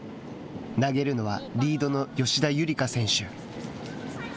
投げるのはリードの吉田夕梨花選手。